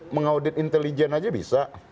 mengaudit intelijen aja bisa